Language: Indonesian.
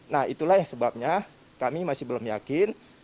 nah itulah yang sebabnya kami masih belum yakin